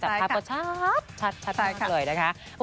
ใช่ค่ะแต่ภาพเขาชัดชัดชัดมากเลยนะคะใช่ค่ะ